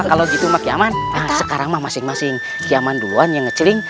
kalau begitu kiaman sekarang masing masing kiaman duluan yang menceling